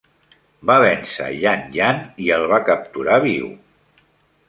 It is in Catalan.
Va vèncer Yan Yan i el va capturar viu.